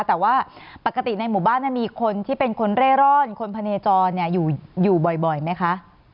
แต่ว่าปกติในหมู่บ้านมีคนที่เป็นคนเร่ร่อนคนพะเนจรอยู่บ่อยไหมคะ